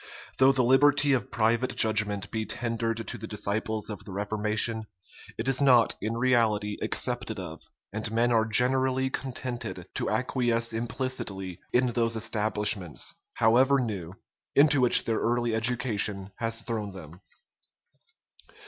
Though the liberty of private judgment be tendered to the disciples of the reformation, it is not in reality accepted of; and men are generally contented to acquiesce implicitly in those establishments, however new, into which their early education has thrown them.